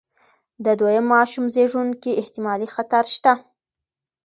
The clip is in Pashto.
د دویم ماشوم زېږون کې احتمالي خطر شته.